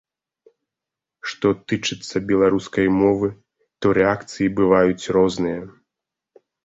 Што тычыцца беларускай мовы, то рэакцыі бываюць розныя.